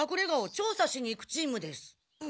調査しに行くチームです。